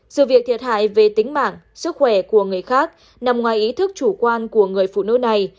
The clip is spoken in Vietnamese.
sự việc thiệt hại về tính mạng sức khỏe của người khác nằm ngoài ý thức chủ quan của người phụ nữ này